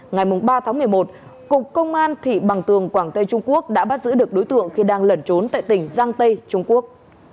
ngày ba tháng một mươi một cục công an thị bằng tường quảng tây trung quốc đã bắt giữ được đối tượng khi đang lẩn trốn tại tỉnh giang tây trung quốc